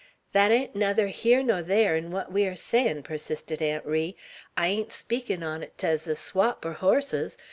"Thet ain't nuther here nor thar in what we air sayin'," persisted Aunt Ri. "I ain't a speakin' on 't ez a swap er hosses.